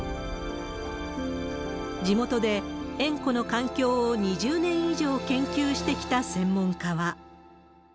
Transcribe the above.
地元で塩湖の環境を２０年以上研究してきた専門家は。